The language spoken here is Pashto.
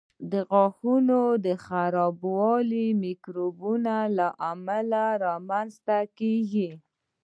د غاښونو خرابوالی د میکروبونو له امله رامنځته کېږي.